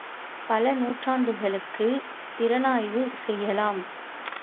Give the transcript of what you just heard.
பல நூற்றாண்டுகளுக்குத் திறனாய்வு செய்யலாம்.